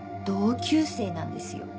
同級生なんですよ。